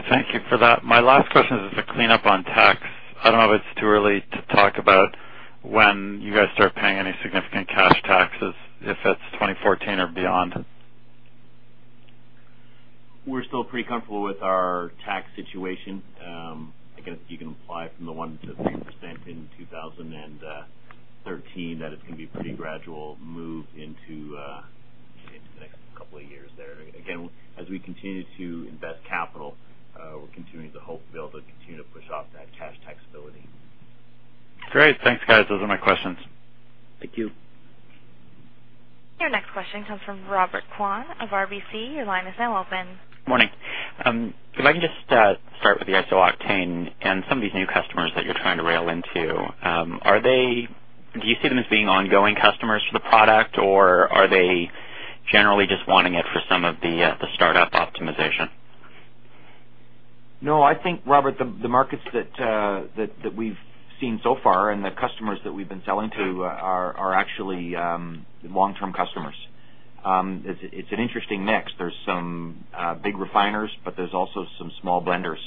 Thank you for that. My last question is a cleanup on tax. I don't know if it's too early to talk about when you guys start paying any significant cash taxes, if it's 2014 or beyond. We're still pretty comfortable with our tax situation. Again, you can apply from the 1%-3% in 2013 that it's going to be a pretty gradual move into the next couple of years there. Again, as we continue to invest capital, we're continuing to hope to be able to continue to push off that cash taxability. Great. Thanks, guys. Those are my questions. Thank you. Your next question comes from Robert Kwan of RBC. Your line is now open. Morning. If I can just start with the iso-octane and some of these new customers that you're trying to rail into. Do you see them as being ongoing customers for the product, or are they generally just wanting it for some of the startup optimization? No, I think, Robert, the markets that we've seen so far and the customers that we've been selling to are actually long-term customers. It's an interesting mix. There's some big refiners, but there's also some small blenders,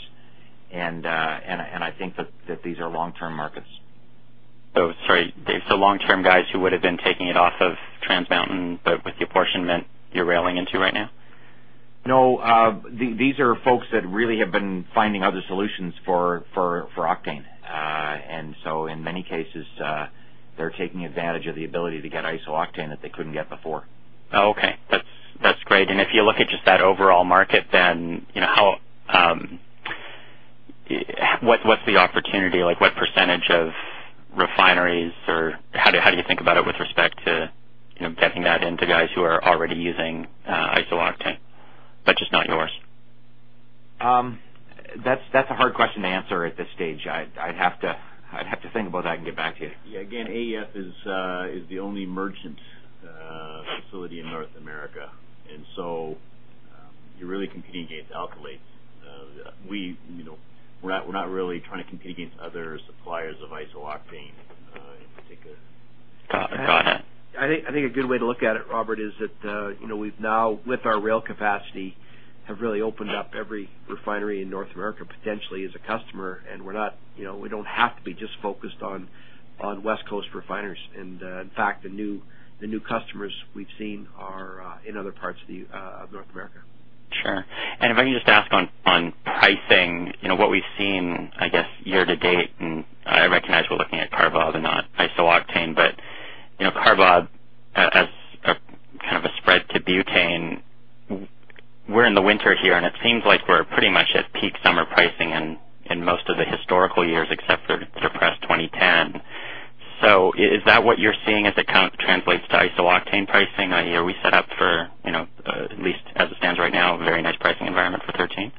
and I think that these are long-term markets. Sorry. Long-term guys who would have been taking it off of Trans Mountain, but with the apportionment, you're railing into right now? No, these are folks that really have been finding other solutions for octane. In many cases, they're taking advantage of the ability to get iso-octane that they couldn't get before. Okay. That's great. If you look at just that overall market, then what's the opportunity? What percentage of refineries, or how do you think about it with respect to getting that into guys who are already using iso-octane but just not yours? That's a hard question to answer at this stage. I'd have to think about that and get back to you. Yeah. Again, AEF is the only merchant facility in North America, and so you're really competing against alkylates. We're not really trying to compete against other suppliers of iso-octane in particular. Got it. I think a good way to look at it, Robert, is that we've now, with our rail capacity, have really opened up every refinery in North America potentially as a customer, and we don't have to be just focused on West Coast refiners. In fact, the new customers we've seen are in other parts of North America. Sure. If I can just ask on pricing, what we've seen, I guess, year to date, and I recognize we're looking at CARBOB and not iso-octane, but CARBOB as a spread to butane. We're in the winter here, and it seems like we're pretty much at peak summer pricing in most of the historical years except for suppressed 2010. Is that what you're seeing as it translates to iso-octane pricing? Are we set up for, at least as it stands right now, a very nice pricing environment for 2013?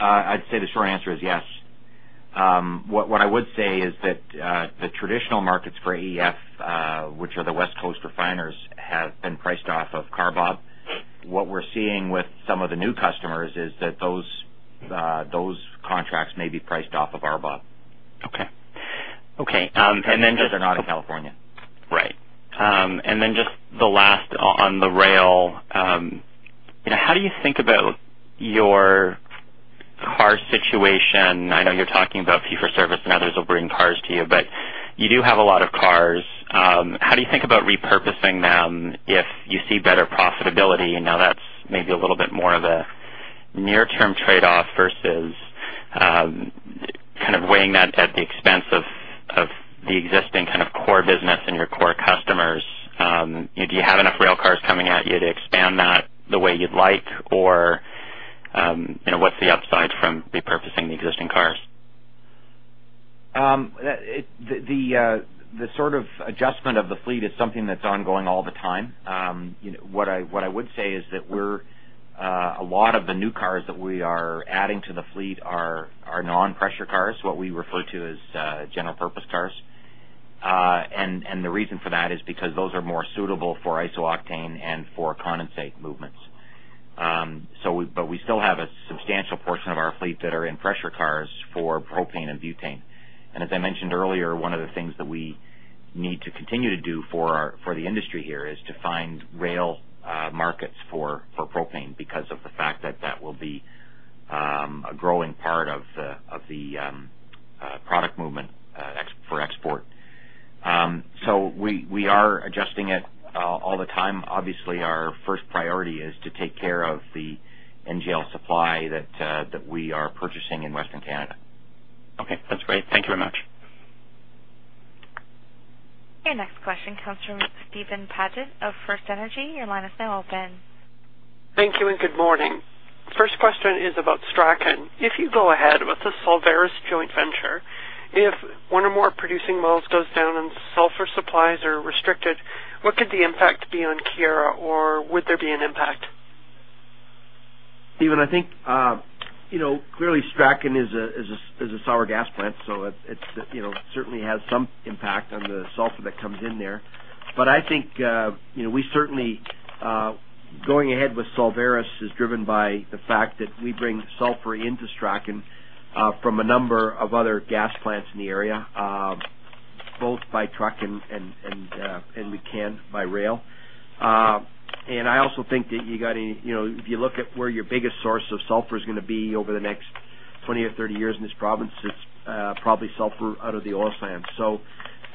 I'd say the short answer is yes. What I would say is that the traditional markets for AEF, which are the West Coast refiners, have been priced off of CARBOB. What we're seeing with some of the new customers is that those contracts may be priced off of RBOB. Okay. Because they're not in California. Right. Just the last on the rail. How do you think about your car situation? I know you're talking about fee-for-service and others will bring cars to you, but you do have a lot of cars. How do you think about repurposing them if you see better profitability? I know that's maybe a little bit more of a near-term trade-off versus weighing that at the expense of the existing core business and your core customers. Do you have enough rail cars coming at you to expand that the way you'd like, or what's the upside from repurposing the existing cars? The sort of adjustment of the fleet is something that's ongoing all the time. What I would say is that a lot of the new cars that we are adding to the fleet are non-pressure cars, what we refer to as general purpose cars. The reason for that is because those are more suitable for iso-octane and for condensate movements. We still have a substantial portion of our fleet that are in pressure cars for propane and butane. As I mentioned earlier, one of the things that we need to continue to do for the industry here is to find rail markets for propane because of the fact that that will be a growing part of the product movement for export. We are adjusting it all the time. Obviously, our first priority is to take care of the NGL supply that we are purchasing in Western Canada. Okay. That's great. Thank you very much. Okay. Next question comes from Steven Paget of FirstEnergy. Your line is now open. Thank you and good morning. First question is about Strachan. If you go ahead with the Sulvaris joint venture, if one or more producing wells goes down and sulfur supplies are restricted, what could the impact be on Keyera? Or would there be an impact? Steven, I think, clearly Strachan is a sour gas plant, so it certainly has some impact on the sulfur that comes in there. I think, going ahead with Sulvaris is driven by the fact that we bring sulfur into Strachan from a number of other gas plants in the area, both by truck and we can by rail. I also think that if you look at where your biggest source of sulfur is going to be over the next 20 or 30 years in this province, it's probably sulfur out of the oil sands.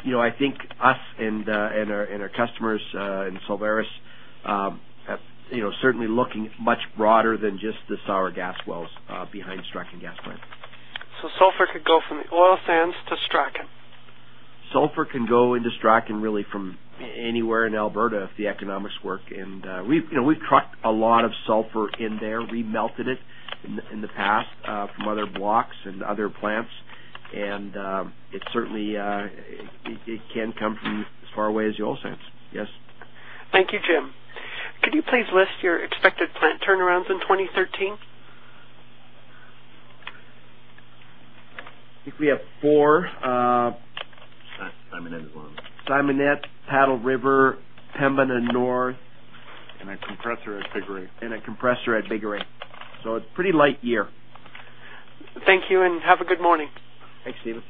I think us and our customers in Sulvaris are certainly looking much broader than just the sour gas wells behind Strachan gas plant. Sulfur could go from the oil sands to Strachan. Sulfur can go into Strachan really from anywhere in Alberta if the economics work. We've trucked a lot of sulfur in there, remelted it in the past from other blocks and other plants. It certainly can come from as far away as the oil sands. Yes. Thank you, Jim. Could you please list your expected plant turnarounds in 2013? I think we have four. Simonette is one. Simonette, Paddle River, Pembina North. A compressor at Bigoray. A compressor at Bigoray. It's a pretty light year. Thank you and have a good morning. Thanks, Steven.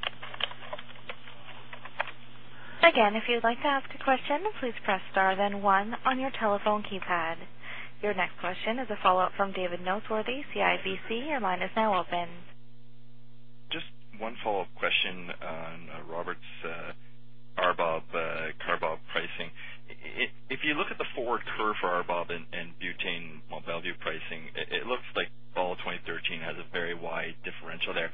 Your next question is a follow-up from David Noseworthy, CIBC. Your line is now open. Just one follow-up question on Robert's RBOB, CARBOB pricing. If you look at the forward curve for RBOB and butane Mont Belvieu pricing, it looks like all of 2013 has a very wide differential there.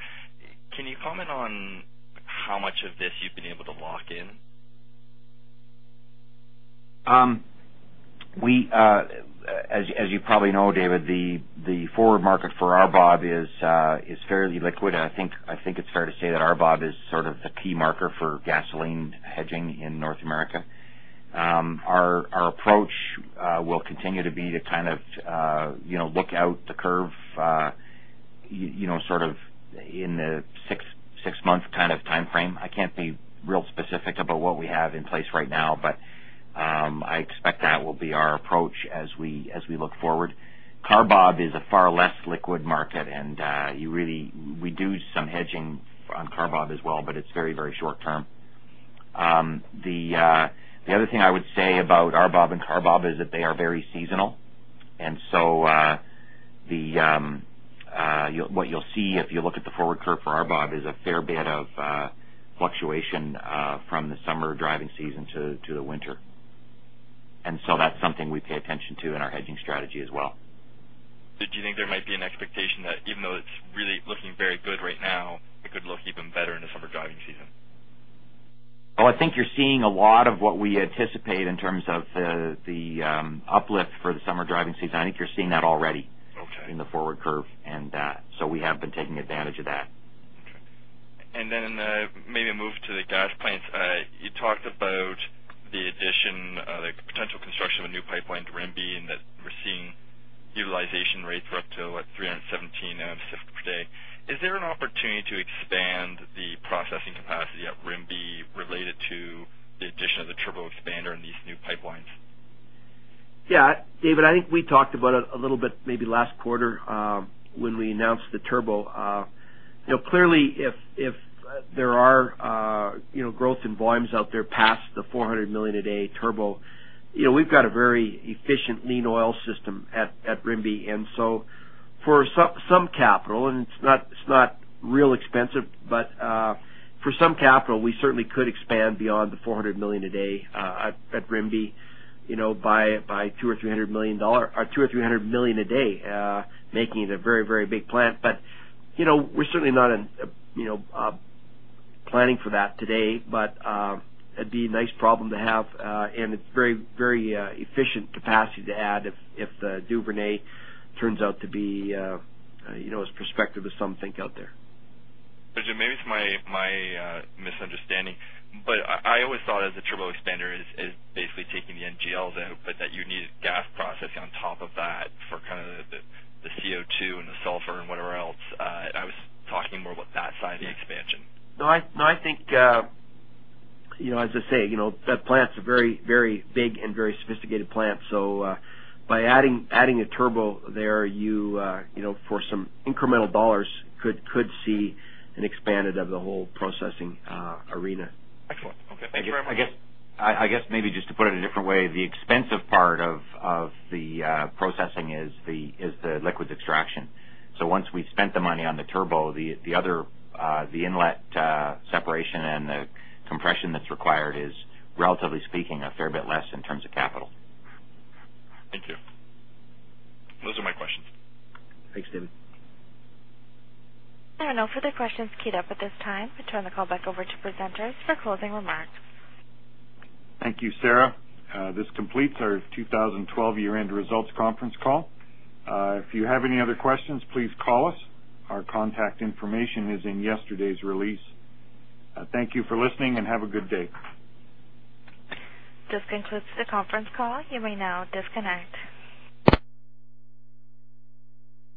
Can you comment on how much of this you've been able to lock in? As you probably know, David, the forward market for RBOB is fairly liquid. I think it's fair to say that RBOB is sort of the key marker for gasoline hedging in North America. Our approach will continue to be to look out the curve in the six-month kind of timeframe. I can't be real specific about what we have in place right now, but I expect that will be our approach as we look forward. CARBOB is a far less liquid market, and you really do some hedging on CARBOB as well, but it's very short-term. The other thing I would say about RBOB and CARBOB is that they are very seasonal. What you'll see if you look at the forward curve for RBOB is a fair bit of fluctuation from the summer driving season to the winter. That's something we pay attention to in our hedging strategy as well. Do you think there might be an expectation that even though it's really looking very good right now, it could look even better in the summer driving season? Oh, I think you're seeing a lot of what we anticipate in terms of the uplift for the summer driving season. I think you're seeing that already. Okay. in the forward curve. We have been taking advantage of that. Okay. Maybe move to the gas plants. You talked about the addition of the potential construction of a new pipeline to Rimbey and that we're seeing utilization rates are up to, what, 317 MM SCF per day. Is there an opportunity to expand the processing capacity at Rimbey related to the addition of the turbo expander and these new pipelines? Yeah. David, I think we talked about it a little bit maybe last quarter when we announced the turbo. Clearly if there are growth in volumes out there past the 400 million a day turbo, we've got a very efficient lean oil system at Rimbey. For some capital, and it's not real expensive, but for some capital, we certainly could expand beyond the 400 million a day at Rimbey by 200 million or 300 million dollar, or 200 or 300 million a day, making it a very big plant. We're certainly not planning for that today. It'd be a nice problem to have. It's very efficient capacity to add if Duvernay turns out to be as prospective as some think out there. Maybe it's my misunderstanding, but I always thought that the turbo expander is basically taking the NGLs out, but that you needed gas processing on top of that for the CO2 and the sulfur and whatever else. I was talking more about that side of the expansion. No, I think, as I say, that plant's a very big and very sophisticated plant. By adding a turbo there, for some incremental dollars could see an expansion of the whole processing arena. Excellent. Okay. Thanks very much. I guess maybe just to put it a different way, the expensive part of the processing is the liquids extraction. Once we've spent the money on the turbo, the inlet separation and the compression that's required is, relatively speaking, a fair bit less in terms of capital. Thank you. Those are my questions. Thanks, David. There are no further questions queued up at this time. I turn the call back over to presenters for closing remarks. Thank you, Sarah. This completes our 2012 year-end results conference call. If you have any other questions, please call us. Our contact information is in yesterday's release. Thank you for listening, and have a good day. This concludes the conference call. You may now disconnect.